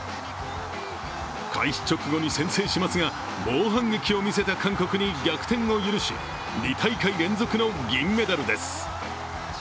開始直後に先制しますが猛反撃を見せた韓国に逆転を許し２大会連続の銀メダルです。